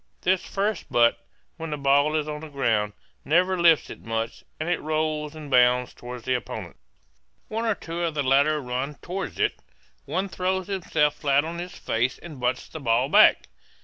This first butt, when the ball is on the ground, never lifts it much and it rolls and bounds toward the opponents. One or two of the latter run toward it; one throws himself flat on his face and butts the ball back.